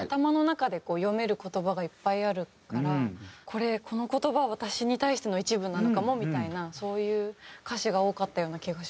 これこの言葉は私に対しての一文なのかもみたいなそういう歌詞が多かったような気がしますね。